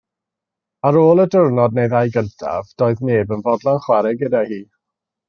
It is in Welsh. Ar ôl y diwrnod neu ddau gyntaf doedd neb yn fodlon chwarae gyda hi.